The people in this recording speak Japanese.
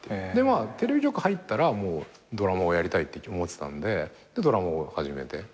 テレビ局入ったらドラマをやりたいって思ってたんでドラマを始めて。